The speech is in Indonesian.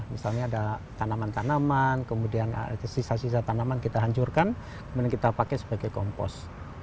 misalnya ada tanaman tanaman kemudian ada sisa sisa tanaman kita hancurkan kemudian kita pakai sebagai kompos